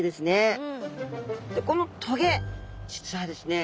このトゲ実はですね